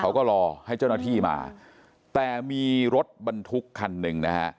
เขาก็รอให้เจ้าหน้าที่มาแต่มีรถบรรทุกคันหนึ่งนะฮะ